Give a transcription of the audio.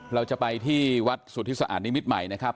เราจะไปที่วัดสุทธิสะอาดนิมิตรใหม่นะครับ